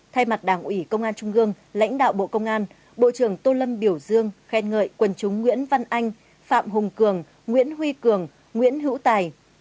thay mặt đảng ủy công an trung gương lãnh đạo bộ công an bộ trưởng tô lâm biểu dương khen ngợi quần chúng nguyễn văn anh phạm hùng cường nguyễn huy cường nguyễn hữu tài